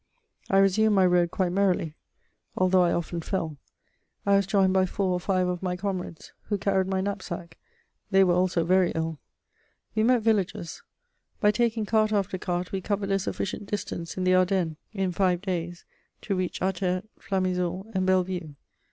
I resumed my road quite merrily, although I often fell. I was joined by four or five of my comrades, who carried my knapsack; they were also very ill. We met villagers; by taking cart after cart we covered a sufficient distance in the Ardennes, in five days, to reach Attert, Flamizoul, and Bellevue.